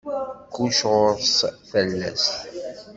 Kullec ɣur-s talast.